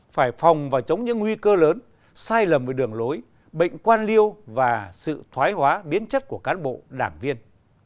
phải phòng và chống những nguy cơ lớn sai lầm về đường lối bệnh quan liêu và sự thoái hóa biến chất của cán bộ đảng viên